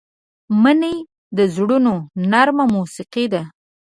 مني د زړونو نرمه موسيقي ده